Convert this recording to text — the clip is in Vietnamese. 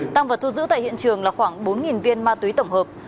tăng vật thu giữ tại hiện trường là khoảng bốn viên ma túy tổng hợp